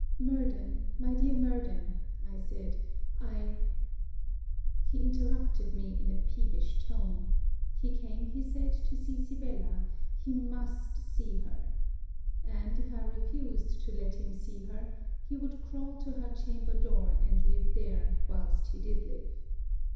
'Murden, my dear Murden,' I said, 'I ' He interrupted me in a peevish tone. He came, he said, to see Sibella He must see her. And, if I refused to let him see her, he would crawl to her chamber door, and live there whilst he did live.